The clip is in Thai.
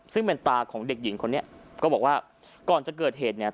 ซึ่งเป็นตาของเด็กหญิงคนนี้ก็บอกว่าก่อนจะเกิดเหตุเนี่ย